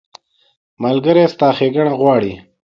ملګری ستا ښېګڼه غواړي.